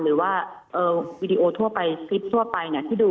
หรือว่าวีดีโอทั่วไปคลิปทั่วไปที่ดู